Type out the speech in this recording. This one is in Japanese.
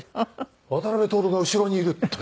渡辺徹が後ろにいると思って。